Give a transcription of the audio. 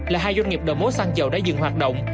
là hai doanh nghiệp đầu mối xăng dầu đã dừng hoạt động